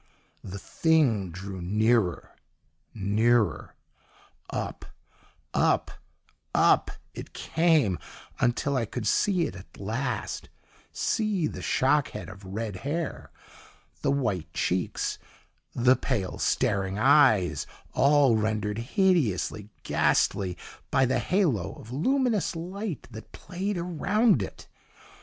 The THING drew nearer, nearer; up, up, UP it came until I could see it at last see the shock head of red hair, the white cheeks, the pale, staring eyes, all rendered hideously ghastly by the halo of luminous light that played around it.